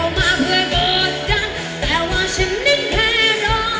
มาเพื่อโบสถ์ดันแปลว่าฉันนั้นแค่รอ